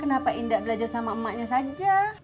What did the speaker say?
kenapa indah belajar sama emaknya saja